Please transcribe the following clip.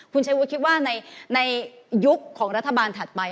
คุณชัยวุฒิคิดว่าในยุคของรัฐบาลถัดไป